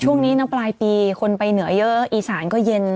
ช่วงนี้นะปลายปีคนไปเหนือเยอะอีสานก็เย็น